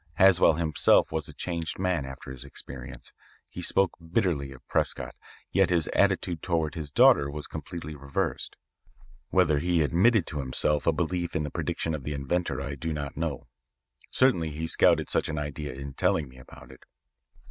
Haswell himself was a changed man after his experience. He spoke bitterly of Prescott, yet his attitude toward his daughter was completely reversed. Whether he admitted to himself a belief in the prediction of the inventor, I do not know. Certainly he scouted such an idea in telling me about it.